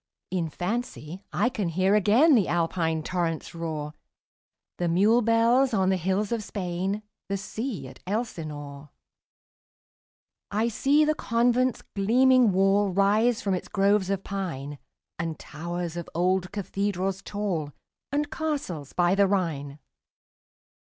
In fancy I can hear again The Alpine torrent's roar, The mule bells on the hills of Spain, 15 The sea at Elsinore. I see the convent's gleaming wall Rise from its groves of pine, And towers of old cathedrals tall, And castles by the Rhine.